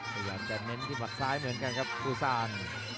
พยายามจะเน้นที่หัดซ้ายเหมือนกันครับภูซาน